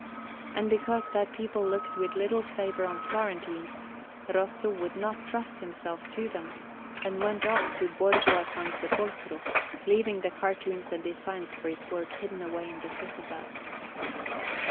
And because that people looked with little favour on Florentines, Rosso would not trust himself to them, and went off to Borgo a San Sepolcro, leaving the cartoons and designs for his work hidden away in the citadel.